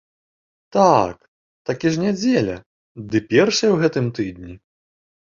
Так, такі ж нядзеля, ды першая ў гэтым тыдні.